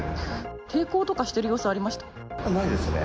抵抗とかしてる様子ありましないですね。